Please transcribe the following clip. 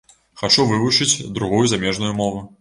Хачу вывучыць другую замежную мову.